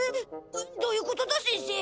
どういうことだせんせ？